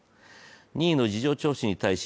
任意の事情聴取に対し